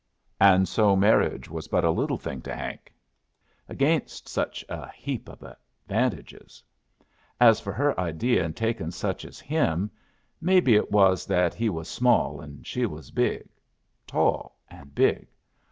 "And so marriage was but a little thing to Hank agaynst such a heap of advantages. As for her idea in takin' such as him maybe it was that he was small and she was big; tall and big.